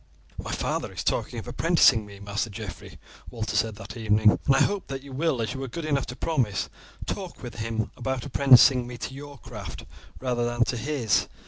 "My father is talking of apprenticing me, Master Geoffrey," Walter said that evening. "I hope that you will, as you were good enough to promise, talk with him about apprenticing me to your craft rather than to his.